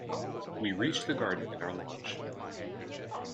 We reach the garden in our launch.